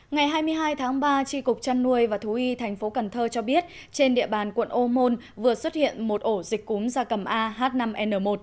ngày hai mươi hai tháng ba tri cục chăn nuôi và thú y tp cn cho biết trên địa bàn quận ô môn vừa xuất hiện một ổ dịch cúm gia cầm a h năm n một